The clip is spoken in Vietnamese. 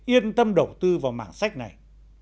yên tâm đầu tư vào mạng sách này